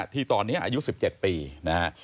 ที่ตอนนี้อายุ๑๗ปีนะฮะ